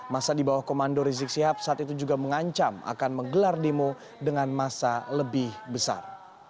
masa di bawah komando rizik sihab saat itu juga mengancam akan menggelar demo dengan masa lebih besar